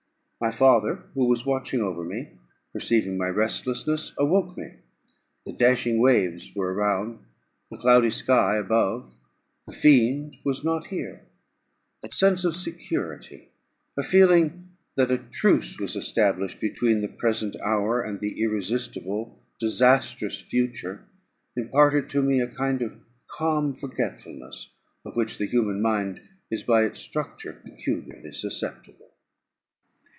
My father, who was watching over me, perceiving my restlessness, awoke me; the dashing waves were around: the cloudy sky above; the fiend was not here: a sense of security, a feeling that a truce was established between the present hour and the irresistible, disastrous future, imparted to me a kind of calm forgetfulness, of which the human mind is by its structure peculiarly susceptible.